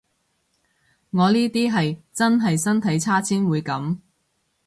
我呢啲係真係身體差先會噉